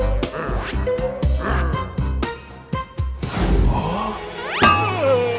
anak anak kambing melemparkan kerabotan ke serigala